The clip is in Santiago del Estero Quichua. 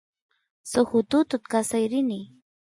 suk ututut kasay rini